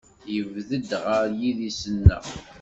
Yebded ɣer yidis-nneɣ.